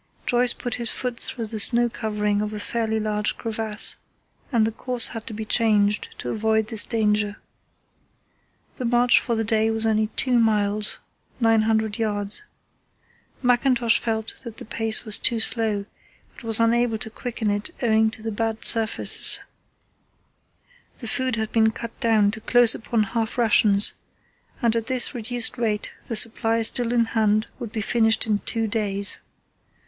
Joyce put his foot through the snow covering of a fairly large crevasse, and the course had to be changed to avoid this danger. The march for the day was only 2 miles 900 yds. Mackintosh felt that the pace was too slow, but was unable to quicken it owing to the bad surfaces. The food had been cut down to close upon half rations, and at this reduced rate the supply still in hand would be finished in two days.